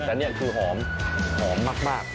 แต่นี่คือหอมหอมมาก